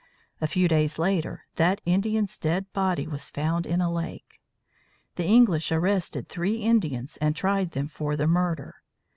A few days later, that Indian's dead body was found in a lake. The English arrested three Indians and tried them for the murder.